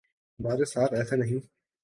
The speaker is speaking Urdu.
ہمارے ساتھ ایسا نہیں۔